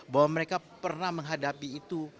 bahwa mereka pernah menghadapi itu